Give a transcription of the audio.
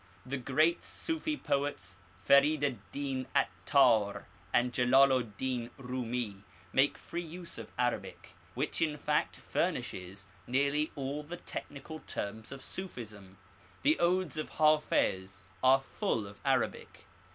The great Sufi poets Ferid ed din Attar and Jelal ed dm Rumi make free use of Arabic, which in fact furnishes nearly all the technical terms of Sufism. The odes of Hafiz are ftdl of Arabic.